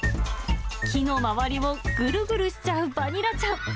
木の周りをぐるぐるしちゃうバニラちゃん。